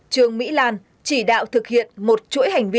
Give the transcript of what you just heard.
trương mỹ lan chỉ đạo thực hiện một chuỗi hành vi